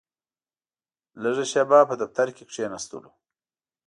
لږه شېبه په دفتر کې کښېناستلو.